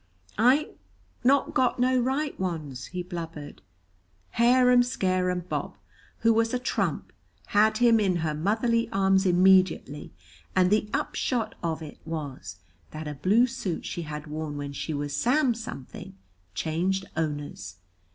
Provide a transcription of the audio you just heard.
"I ain't not got no right ones," he blubbered. Harum scarum Bob, who was a trump, had him in her motherly arms immediately, and the upshot of it was that a blue suit she had worn when she was Sam Something changed owners.